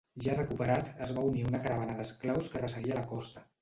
Ja recuperat, es va unir a una caravana d'esclaus que resseguia la costa.